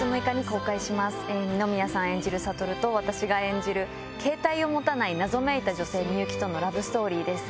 演じる悟と私が演じるケータイを持たない謎めいた女性みゆきとのラブストーリーです。